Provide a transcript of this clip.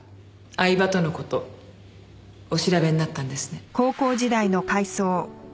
饗庭との事お調べになったんですね。